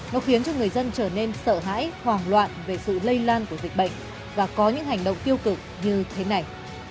nó khiến cho người dân trở nên sợ hãi hoảng loạn về sự lây lan của dịch bệnh